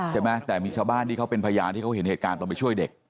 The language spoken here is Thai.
ใช่ไหมแต่มีชาวบ้านที่เขาเป็นพยานที่เขาเห็นเหตุการณ์ตอนไปช่วยเด็ก